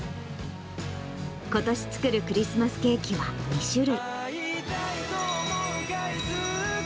ことし作るクリスマスケーキは２種類。